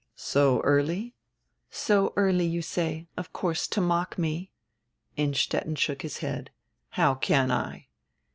"So early?" "So early, you say. Of course, to mock me." Innstetten shook his head. "How can I?"